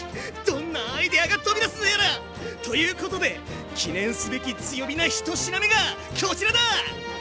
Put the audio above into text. どんなアイデアが飛び出すのやら！ということで記念すべき強火な１品目がこちらだ！